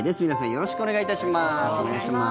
よろしくお願いします。